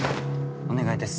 お願いです。